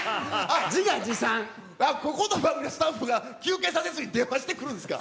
あっ、ここのスタッフが休憩させずに電話してくるんですか。